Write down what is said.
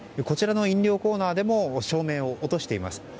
こちらの飲料コーナーでも照明を落としています。